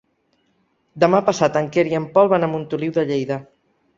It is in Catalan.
Demà passat en Quer i en Pol van a Montoliu de Lleida.